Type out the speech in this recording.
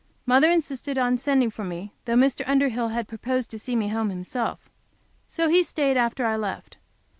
Mother insisted on sending for me, though Mr. Underhill had proposed to see me home himself. So he stayed after I left.